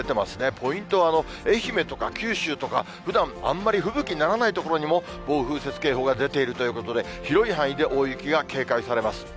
ポイントは、愛媛とか九州とか、ふだん、あんまり吹雪にならない所にも暴風雪警報が出ているということで、広い範囲で大雪が警戒されます。